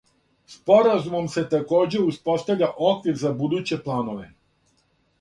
Споразумом се такође успоставља оквир за будуће планове.